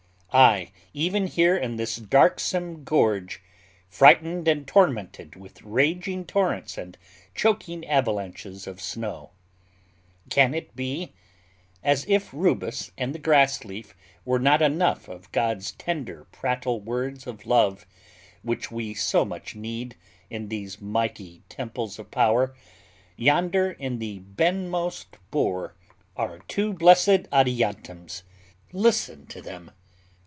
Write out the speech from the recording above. Ay, even here in this darksome gorge, "frightened and tormented" with raging torrents and choking avalanches of snow. Can it be? As if rubus and the grass leaf were not enough of God's tender prattle words of love, which we so much need in these mighty temples of power, yonder in the "benmost bore" are two blessed adiantums. Listen to them!